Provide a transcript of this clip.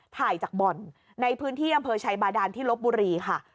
ถ่ายจากบ่อนในพื้นที่อำเภอชัยบาดานที่ลบบุรีค่ะ